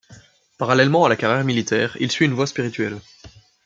Parallèlement à la carrière militaire il suit une voie spirituelle.